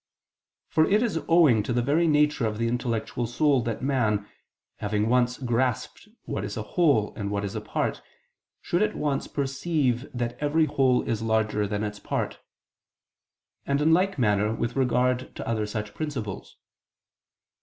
For it is owing to the very nature of the intellectual soul that man, having once grasped what is a whole and what is a part, should at once perceive that every whole is larger than its part: and in like manner with regard to other such principles.